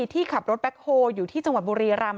ที่ขับรถแบ็คโฮลอยู่ที่จังหวัดบุรีรำ